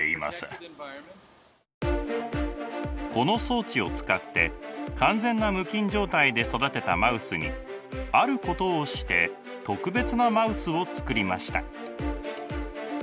この装置を使って完全な無菌状態で育てたマウスにあることをして特別なマウスをつくりました。